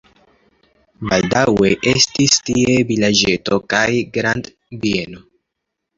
Baldaŭe estis tie vilaĝeto kaj grandbieno.